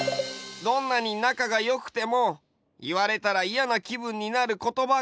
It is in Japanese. どんなになかがよくてもいわれたらイヤなきぶんになることばがあるんだよ。